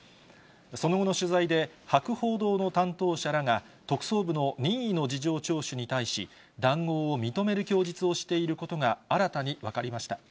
その後の取材で、博報堂の担当者らが特捜部の任意の事情聴取に対し、談合を認める供述をしていることが新たに分かりました。